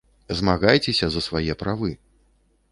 Змагайцеся за свае правы.